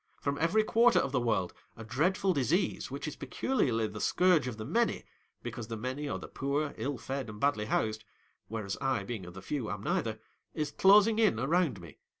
From every quarter of the world, a dreadful disease which is peculiarly the scourge of the many, because the many are the poor, ill fed, and badly housed — whereas I, being of the few, am neither — is closing in around me.